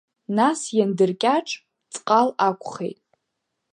Нас, иандыркьаҿ, ҵҟал акәхеит.